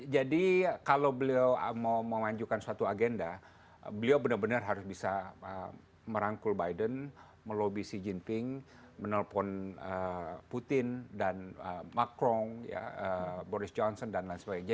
jadi kalau beliau mau memanjukan suatu agenda beliau benar benar harus bisa merangkul biden melobby xi jinping menelpon putin dan macron boris johnson dan lain sebagainya